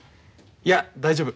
いや大丈夫。